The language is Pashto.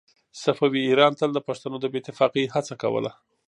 صفوي ایران تل د پښتنو د بې اتفاقۍ هڅه کوله.